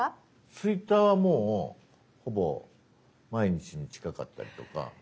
Ｔｗｉｔｔｅｒはもうほぼ毎日に近かったりとか。